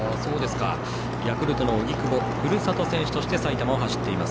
ヤクルトの荻久保ふるさと選手として埼玉を走っています。